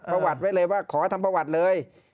ประวัติไว้เลยว่าขอทำประวัติเลย